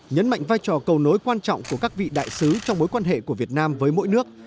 nhấn mạnh vai trò cầu nối quan trọng của các vị đại sứ trong mối quan hệ của việt nam với mỗi nước